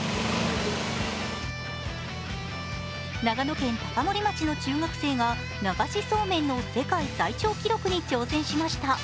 長野県高森町の中学生が流しそうめんの世界最長記録に挑戦しました。